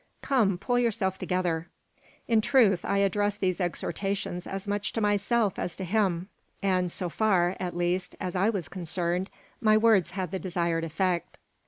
Come, pull yourself together." In truth, I addressed these exhortations as much to myself as to him; and so far, at least, as I was concerned, my words had the desired effect.